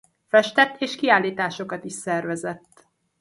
Festett és kiállításokat is szervezett.